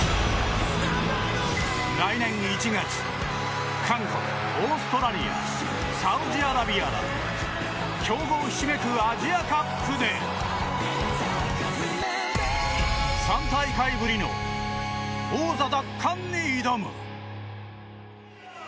来年１月、韓国オーストラリアサウジアラビアら強豪ひしめくアジアカップで３大会ぶりの王座奪還に挑む！